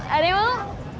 ada yang mau